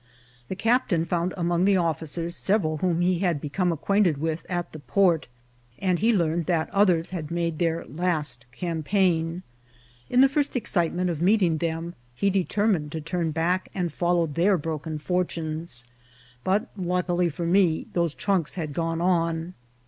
The captain found among the officers several whom he had become acquainted with at the port, and he learned that others had made their last campaign. In the first excitement of meeting them, he determined to turn back and follow their broken fortunes ; but, luckily for me, those trunks had gone on.